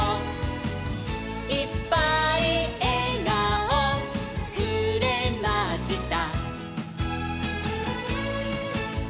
「いっぱいえがおくれました」